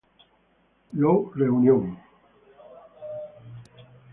Law reunion".